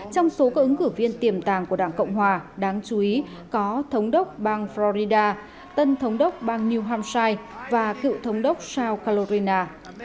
trong số các ứng cử viên tiềm tàng của đảng cộng hòa đáng chú ý có thống đốc bang florida tân thống đốc bang new hampshire và cựu thống đốc sao calorina